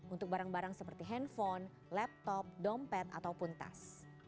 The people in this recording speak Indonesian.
untuk barang barang seperti handphone laptop dompet ataupun tas